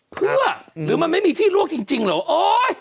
เพื่อหรือมันไม่มีที่ลวกจริงเหรอโอ๊ย